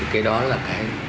cái đó là cái